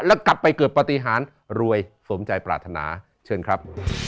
แล้วกลับไปเกิดปฏิหารรวยสมใจปรารถนาเชิญครับ